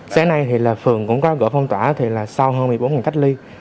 sáng nay thì là phường cũng có gỡ phong tỏa thì là sau hơn một mươi bốn ngày cách ly